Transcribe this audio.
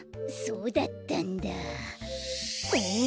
そうだったんだ。